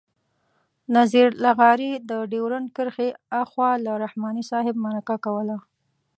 نذیر لغاري د ډیورنډ کرښې آخوا له رحماني صاحب مرکه کوله.